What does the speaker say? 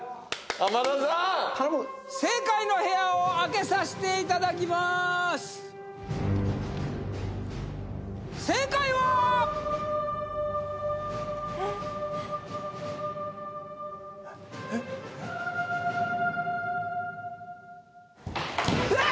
正解の部屋を開けさしていただきまーす正解はうわー！